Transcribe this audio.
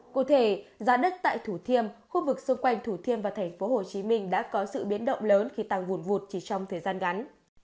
cụ thể giá đất tại thủ thiêm khu vực xung quanh thủ thiêm và thành phố hồ chí minh đã có sự biến động lớn khi tăng vụn vụt chỉ trong thời gian gắn